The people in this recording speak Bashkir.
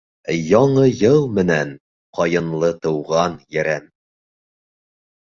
Яңы йыл менән, Ҡайынлы тыуған Ерем!